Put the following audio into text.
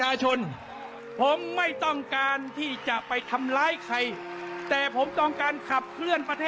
ให้คงอยู่แล้วก็เพื่อที่จะให้พี่น้องประชาชนนั้น